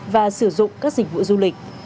và sử dụng các dịch vụ du lịch